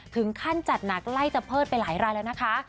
ถึงขั้นจัดหนักไล่จะเพิดไปหลายร้านแล้วนะคะ